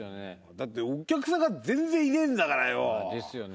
だってお客さんが全然いねえんだからよ。ですよね。